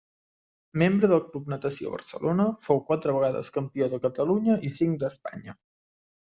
Membre del Club Natació Barcelona, fou quatre vegades campió de Catalunya i cinc d'Espanya.